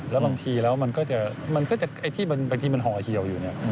แล้วบางทีแล้วมันก็จะไอ้ที่บางทีมันห่อเหี่ยวอยู่เนี่ย